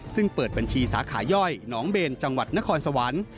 ซึ่งเปิดบัญชีสาขาย่อยน้องเบนจังหวัดนครสวรรค์